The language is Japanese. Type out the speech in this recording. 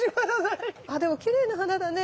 あでもきれいな花だね。